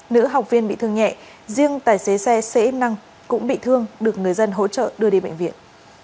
nữ học viên bị thương nhẹ riêng tài xế xe xế em năng cũng bị thương được người dân hỗ trợ đưa đi bệnh viện